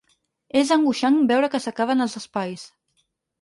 És angoixant veure que s’acaben els espais